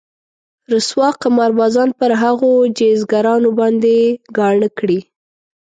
رسوا قمار بازان پر هغو جيزګرانو باندې ګاڼه کړي.